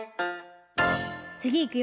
つぎいくよ。